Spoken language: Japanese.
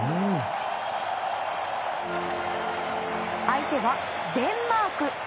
相手はデンマーク。